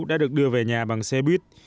đã được đưa về nhà bằng xe buýt